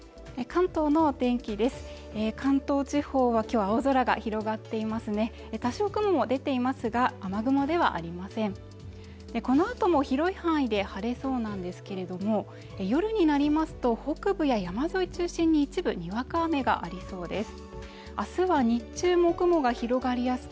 関東地方はきょうは青空が広がっていますね多少雲も出ていますが雨雲ではありませんこのあとも広い範囲で晴れそうなんですけれども夜になりますと北部や山沿い中心に一部にわか雨がありそうです